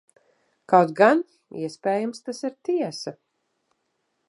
Kaut gan, iespējams, tas ir tiesa.